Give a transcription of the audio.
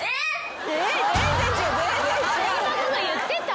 そんなこと言ってた？